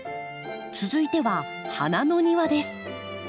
続いては花の庭です。